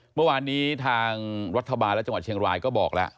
เมื่อวานนี้ทางรัฐบาลและจังหวัดเชียงรายก็บอกแล้ว